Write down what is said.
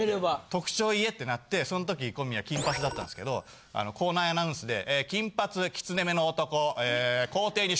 特徴言えってなってそんとき小宮金髪だったんですけど校内アナウンスで。